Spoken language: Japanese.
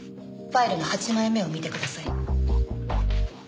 ファイルの８枚目を見てください。